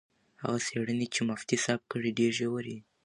هغه څېړنې چې مفتي صاحب کړي ډېرې ژورې دي.